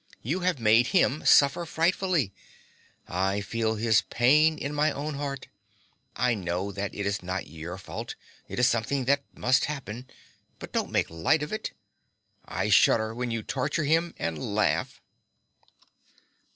You have made him suffer frightfully. I feel his pain in my own heart. I know that it is not your fault it is something that must happen; but don't make light of it. I shudder when you torture him and laugh.